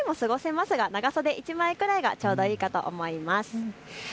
半袖でも過ごせますが長袖１枚くらいがちょうどいいかと思います。